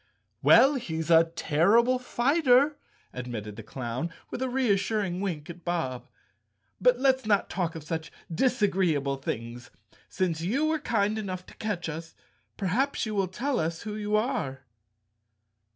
"Well, he's a terrible fighter," admitted the clown, with a reassuring wink at Bob, "but let's not talk of such disagreeable things. Since you were kind enough 223 The Cowardly Lion of Oz _ to catch us perhaps you will tell us who you are."